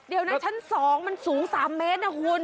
เดี๋ยวนั้นช่างสองมันสูง๓เมตรนะคุณ